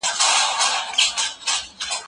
موږ بايد تل د خپل هېواد ملي ګټي وساتو.